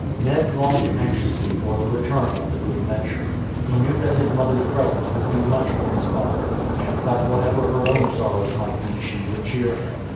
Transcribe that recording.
Ned longed anxiously for the return of the Good Venture. He knew that his mother's presence would do much for his father, and that whatever her own sorrows might be she would cheer him.